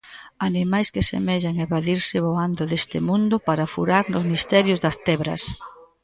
Animais que semellan evadirse voando deste mundo para furar nos misterios das tebras.